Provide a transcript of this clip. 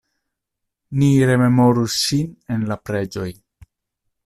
Ni rememoru ŝin en la preĝoj.